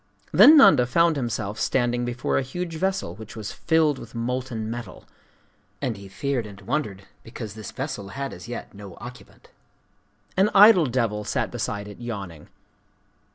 Then Nanda found himself standing before a huge vessel which was filled with molten metal;—and he feared and wondered because this vessel had as yet no occupant. An idle devil sat beside it, yawning.